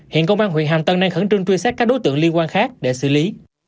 hiện công an huyện hàm tân đang khẩn trương truy xét các đối tượng liên quan khác để xử lý